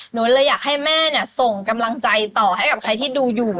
หนูเลยอยากให้แม่ส่งกำลังใจต่อให้กับใครที่ดูอยู่